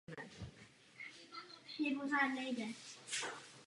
Mladší sestra infantka Sofie je v linii následnictví druhá.